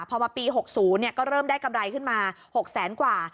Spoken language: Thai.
พอมาปี๖๐ก็เริ่มได้กำไรขึ้นมา๖แสนกว่า